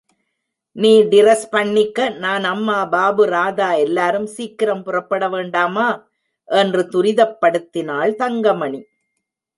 நீ டிரஸ் பண்ணிக்க நான், அம்மா, பாபு, ராதா எல்லாரும் சீக்கிரம் புறப்பட வேண்டாமா? என்று துரிதப்படுத்தினாள் தங்கமணி.